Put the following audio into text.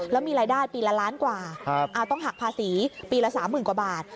แล้วมีรายได้ปีละล้านกว่าต้องหักภาษีปีละ๓๐๐๐กว่าบาท